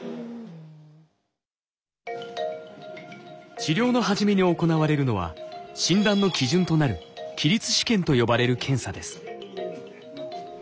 治療の初めに行われるのは診断の基準となる起立試験と呼ばれる検査です。